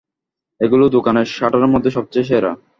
এগুলো দোকানের শাটারের মধ্যে সবচে সেরা।